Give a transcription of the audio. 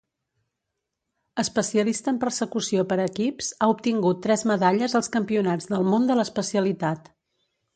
Especialista en Persecució per equips, ha obtingut tres medalles als Campionats del món de l'especialitat.